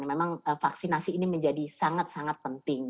memang vaksinasi ini menjadi sangat sangat penting